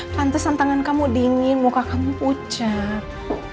pantesan tangan kamu dingin muka kamu pucat